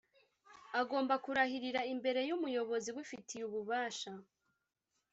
Agomba kurahirira imbere y’umuyobozi ubifitiye ububasha